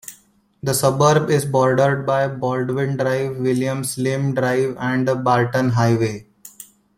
The suburb is bordered by Baldwin Drive, William Slim Drive and the Barton Highway.